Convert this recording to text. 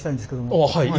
ああはい。